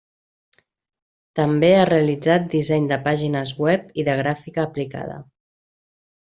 També ha realitzat disseny de pàgines web i de gràfica aplicada.